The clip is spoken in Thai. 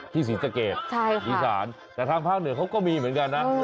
ที่ศรีสะเกตใช่ค่ะวิสานแต่ทางภาคเหนือก็มีเหมือนกันนะเออ